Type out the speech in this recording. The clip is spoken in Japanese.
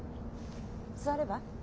座れば？